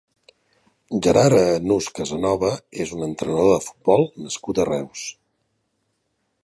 Gerard Nus Casanova és un entrenador de futbol nascut a Reus.